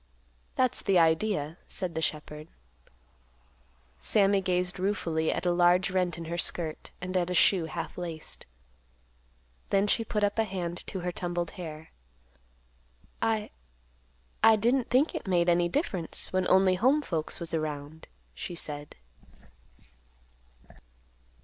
"That's the idea," said the shepherd. Sammy gazed ruefully at a large rent in her skirt, and at a shoe half laced. Then she put up a hand to her tumbled hair. "I—I didn't think it made any difference, when only home folks was around," she said.